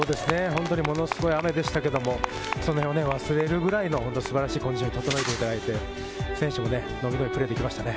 ものすごい雨でしたけれど、それを忘れるぐらいの本当に素晴らしいコンディションに整えていただいて、選手もいいプレーができましたね。